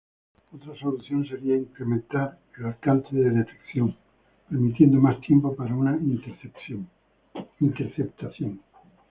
Otra solución sería incrementar el alcance de detección, permitiendo más tiempo para una interceptación.